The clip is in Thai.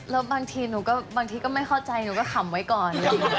แล้วบางทีก็ไม่เข้าใจหนูก็ขำไว้ก่อน